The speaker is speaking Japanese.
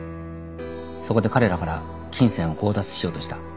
そこで彼らから金銭を強奪しようとした。